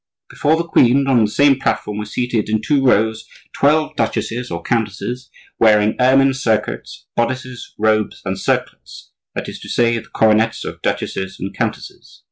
Before the queen, and on the same platform, were seated, in two rows, twelve duchesses or countesses, wearing ermine surcoats, bodices, robes, and circlets,—that is to say, the coronets of duchesses and countesses.